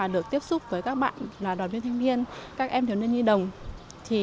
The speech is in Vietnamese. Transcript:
đều có hình ảnh của sắc áo xanh tình nguyện hơn nhiều hơn là những ngày hè